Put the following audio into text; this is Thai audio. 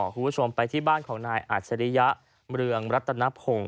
คุณผู้ชมไปที่บ้านของนายอัจฉริยะเมืองรัตนพงศ์